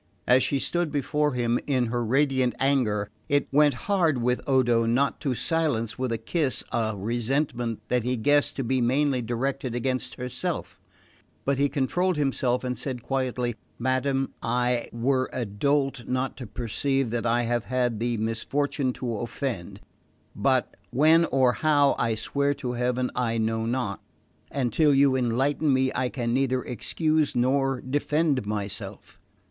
As she stood before him in her radiant anger, it went hard with Odo not to silence with a kiss a resentment that he guessed to be mainly directed against herself; but he controlled himself and said quietly: "Madam, I were a dolt not to perceive that I have had the misfortune to offend; but when or how, I swear to heaven I know not; and till you enlighten me I can neither excuse nor defend myself."